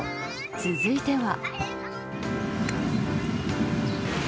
続いては。